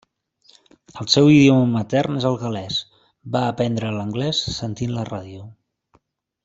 El seu idioma matern és el gal·lès; va aprendre l'anglès sentint la ràdio.